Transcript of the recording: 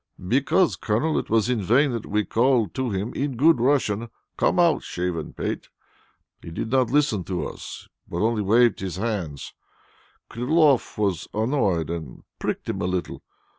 "Because, Colonel, it was in vain that we called to him in good Russian, 'Come out, shaven pate!' He did not listen to us, but only waved his hands. Kyriloff was annoyed, and pricked him a little.